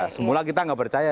semula kita gak percaya